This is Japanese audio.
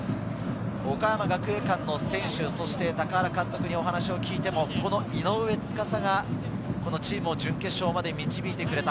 岡山学芸館の選手、そして高原監督にお話を聞いても、井上斗嵩がチームを準決勝まで導いてくれた、